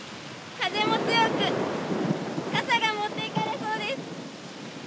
風も強く、傘が持っていかれそうです。